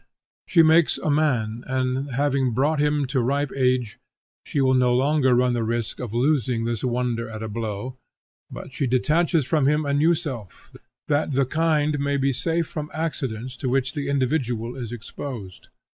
She makes a man; and having brought him to ripe age, she will no longer run the risk of losing this wonder at a blow, but she detaches from him a new self, that the kind may be safe from accidents to which the individual is exposed.